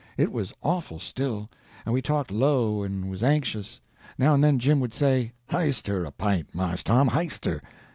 It was awful still, and we talked low and was anxious. Now and then Jim would say: "Highst her a p'int, Mars Tom, highst her!"